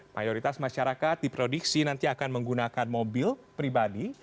mayoritas masyarakat diprediksi nanti akan menggunakan mobil pribadi